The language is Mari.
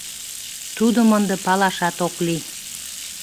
Тудым ынде палашат ок лий.